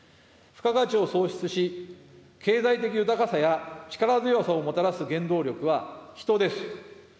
付加価値を創出し、経済的豊かさや力強さをもたらす原動力は人です。